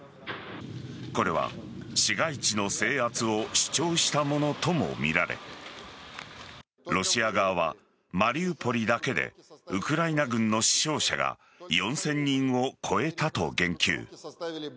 これは市街地の制圧を主張したものともみられロシア側はマリウポリだけでウクライナ軍の死傷者が４０００人を超えたと言及。